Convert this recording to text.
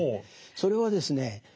それはですね